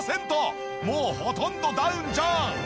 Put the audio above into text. もうほとんどダウンじゃん！